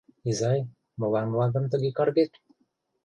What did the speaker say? — Изай, молан мландым тыге каргет?